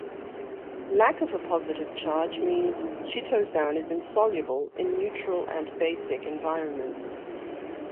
Lack of a positive charge means chitosan is insoluble in neutral and basic environments.